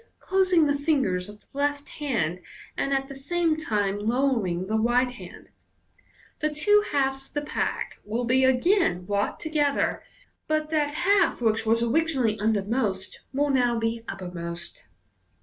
closing the fingers of the left hand, and at the same time lowering the right hand), the two halves of the pack will be again brought together, but that half which was originally undermost will now be uppermost.